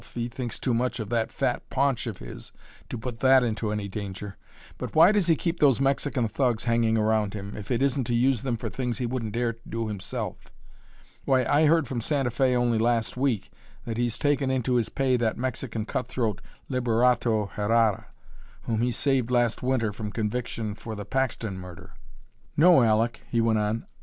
He thinks too much of that fat paunch of his to put that into any danger. But why does he keep those Mexican thugs hanging around him if it isn't to use them for things he wouldn't dare do himself? Why, I heard from Santa Fe only last week that he's taken into his pay that Mexican cutthroat, Liberato Herrara, whom he saved last Winter from conviction for the Paxton murder." "No, Aleck," he went on.